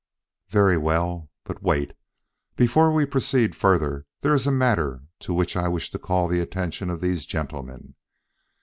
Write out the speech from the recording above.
"Very well. But wait! Before we proceed further, there is a matter to which I wish to call the attention of these gentlemen.